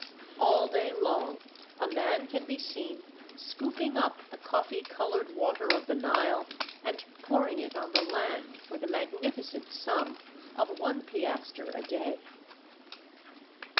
All day long a man can be seen scooping up the coffee coloured water of the Nile and pouring it on the land for the magnificent sum of one piastre a day.